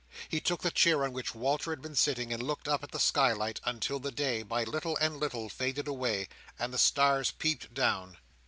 He took the chair on which Walter had been sitting, and looked up at the skylight, until the day, by little and little, faded away, and the stars peeped down.